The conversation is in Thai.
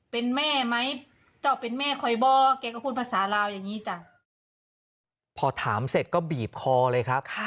พอถามเสร็จก็บีบคอเลยครับ